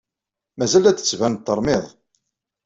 Mazal la d-tettbaned teṛmid.